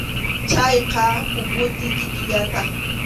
Chayqa puputi kikillantaq.